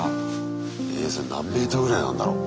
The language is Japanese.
それ何メートルぐらいなんだろう。